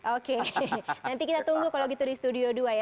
oke nanti kita tunggu kalau gitu di studio dua ya